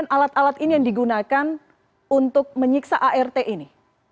alat alat ini yang digunakan untuk menyiksa art ini